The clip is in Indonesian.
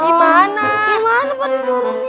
di mana pak deh turunnya